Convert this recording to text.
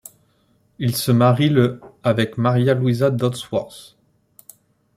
Il se marie le avec Maria Luiza Dodsworth.